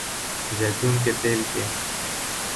زیتون کے تیل کے